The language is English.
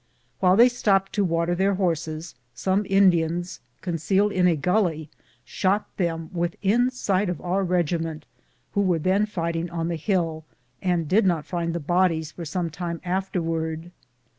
While they stopped to water their horses, some Indians concealed in a gully shot them within sight of our regiment, who were then fighting on the hill, and did not find the bodies for some time afterwards.